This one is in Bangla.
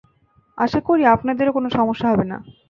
আশা করি, আপনাদেরও কোনো সমস্যা হবে না।